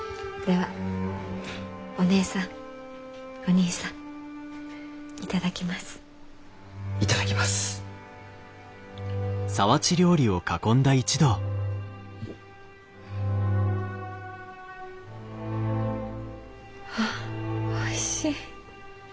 はあおいしい。